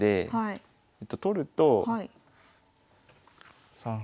取ると３八角。